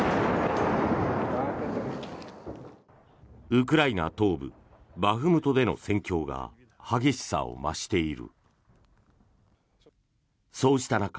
ウクライナ東部バフムトでの戦況が激しさを増している。